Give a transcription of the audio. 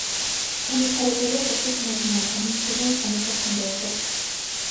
განვითარებულია სოფლის მეურნეობა, მისდევენ მესაქონლეობას.